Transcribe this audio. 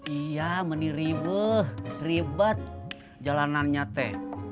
iya mani ribet jalanannya teh